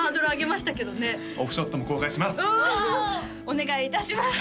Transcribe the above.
お願いいたします